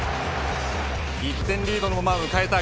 １点リードのまま迎えた